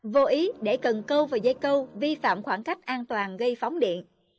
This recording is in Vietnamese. vô ý để cần câu và dây câu vi phạm khoảng cách an toàn gây phóng điện